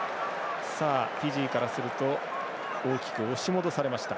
フィジーからすると大きく押し戻されました。